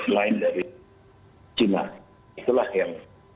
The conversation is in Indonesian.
itulah yang kita alami